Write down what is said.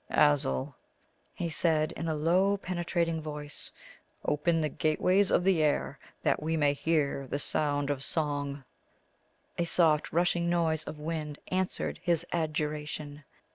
"Azul!" he said, in a low, penetrating voice, "open the gateways of the Air that we may hear the sound of Song!" A soft rushing noise of wind answered his adjuration.